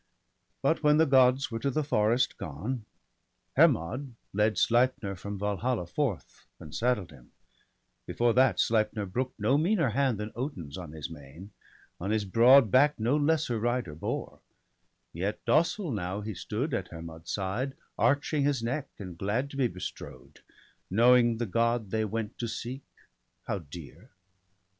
But when the Gods were to the forest gone, Hermod led Sleipner from Valhalla forth And saddled him; before that, Sleipner brook'd No meaner hand than Odin's on his mane, On his broad back no lesser rider bore ; Yet docile now he stood at Hermod's side, Arching his neck, and glad to be bestrode. Knowing the God they went to seek, how dear.